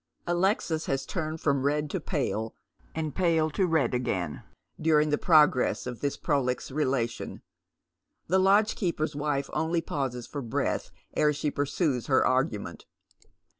Alexis has turned from red to pale and pale to red again during the progress of this prolix relation. The lodgekeeper's wife only pauses for breath ere she pursues her argument.